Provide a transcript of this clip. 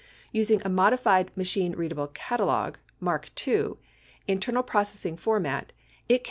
I T sing a modified machine readable catalog (MABC II) internal processing format, it can.